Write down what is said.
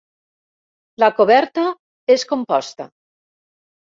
La coberta és composta.